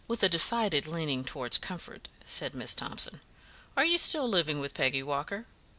"With a decided leaning towards comfort," said Miss Thomson. "Are you still living with Peggy Walker?